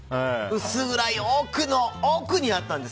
薄暗い、奥の奥にあったんです。